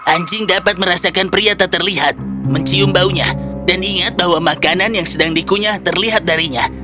anjing dapat merasakan pria tak terlihat mencium baunya dan ingat bahwa makanan yang sedang dikunyah terlihat darinya